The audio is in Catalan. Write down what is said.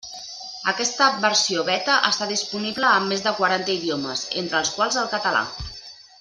Aquesta versió beta està disponible en més de quaranta idiomes, entre els quals el català.